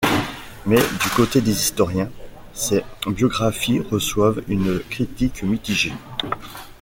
Mais du côté des historiens, ses biographies reçoivent une critique mitigée.